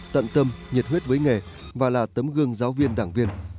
tận tâm nhiệt huyết với nghề và là tấm gương giáo viên đảng viên